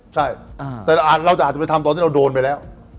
ใช่แต่เราจะอาจจะไปทำตอนที่เราโดนไปแล้ว